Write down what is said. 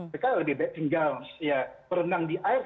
mereka lebih baik tinggal berenang di af